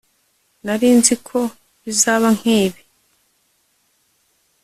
Nari nzi ko bizaba nkibi